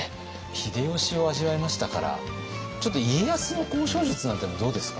秀吉を味わいましたからちょっと家康の交渉術なんていうのもどうですか？